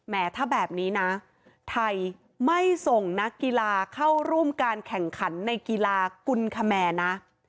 ถ้าแบบนี้นะไทยไม่ส่งนักกีฬาเข้าร่วมการแข่งขันในกีฬากุลคแมร์นะ